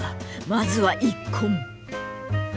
まずは一献。